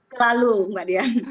selalu mbak dian